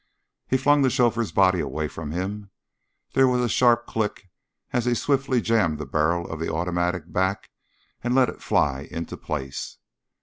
He flung the chauffeur's body away from him; there was a sharp click as he swiftly jammed the barrel of the automatic back and let it fly into place.